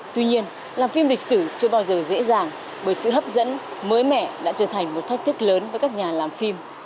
tuy nhiên làm phim lịch sử chưa bao giờ dễ dàng bởi sự hấp dẫn mới mẻ đã trở thành một thách thức lớn với các nhà làm phim